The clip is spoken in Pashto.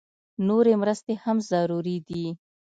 نورې مرستې هم ضروري دي